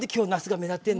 うん目立ってる。